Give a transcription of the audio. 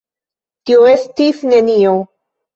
Tio estis nenio!